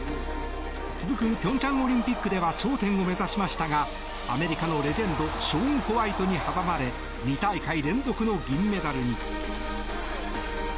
続く平昌オリンピックでは頂点を目指しましたがアメリカのレジェンドショーン・ホワイトに阻まれ２大会連続の銀メダルに。